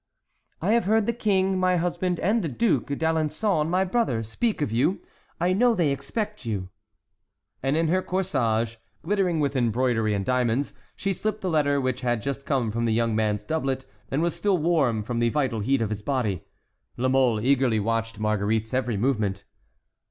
"I have heard the king, my husband, and the Duc d'Alençon, my brother, speak of you. I know they expect you." And in her corsage, glittering with embroidery and diamonds, she slipped the letter which had just come from the young man's doublet and was still warm from the vital heat of his body. La Mole eagerly watched Marguerite's every movement.